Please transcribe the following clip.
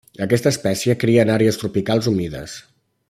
Aquesta espècie cria en àrees tropicals humides.